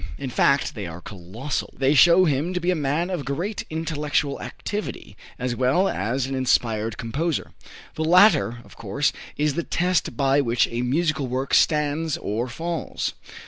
In fact they are colossal. They show him to be a man of great intellectual activity, as well as an inspired composer. The latter, of course, is the test by which a musical work stands or falls.